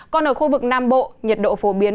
còn ở khu vực nam bộ nhiệt độ phổ biến